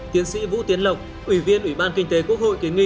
tiến sĩ vũ tiến lộc ủy viên ủy ban kinh tế quốc hội kiến nghị